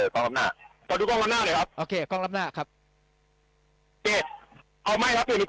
ขอบคุณครับกูก็ครับครับผม